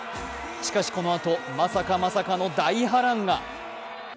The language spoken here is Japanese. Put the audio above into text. しかし、このあとまさかまさかの大波乱が。